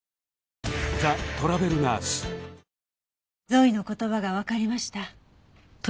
ゾイの言葉がわかりました。